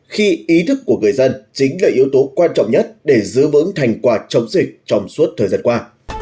khi ý thức của người dân chính là yếu tố quan trọng nhất để giữ vững thành quả chống dịch trong suốt thời gian qua